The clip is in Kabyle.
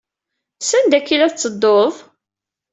Sanda akka ay la tettedduḍ?